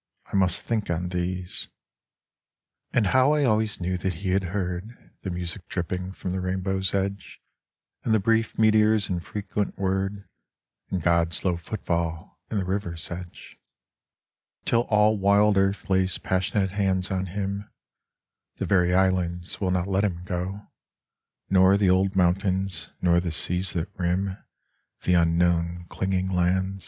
I must think on these, (And how I always knew that he had heard The music dripping from the rainbow's edge, And the brief meteor's infrequent word, And God's low footfall in the river sedge,) Till all wild earth lays passionate hands on him, The very islands will not let him go, Nor the old mountains, nor the seas that rim The unknown clinging lands